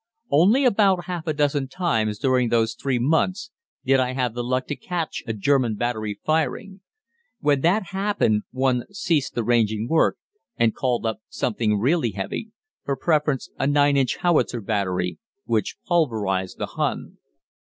Only about half a dozen times during those three months did I have the luck to catch a German battery firing. When that happened one ceased the ranging work and called up something really heavy, for preference a nine inch howitzer battery, which pulverised the Hun.